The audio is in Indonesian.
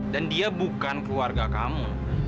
dan dia bukan keluarga kamu